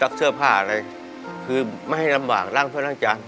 เสื้อผ้าอะไรคือไม่ให้ลำบากร่างเพื่อนล้างจาน